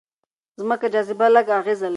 ځمکې جاذبه لږ اغېز لري.